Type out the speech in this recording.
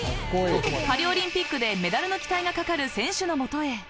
パリオリンピックでメダルの期待が懸かる選手のもとへ。